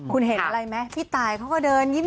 คุณเห็นอะไรไหมพี่ตายเขาก็เดินยิ้ม